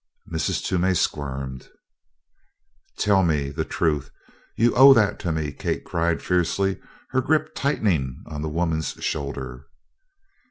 Mrs. Toomey squirmed. "Tell me! The truth! You owe that to me!" Kate cried fiercely, her grip tightening on the woman's shoulder.